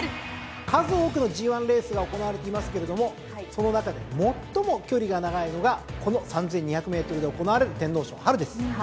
数多くのＧⅠレースが行われていますけれどもその中で最も距離が長いのがこの３，２００ｍで行われる天皇賞です。